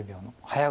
はい。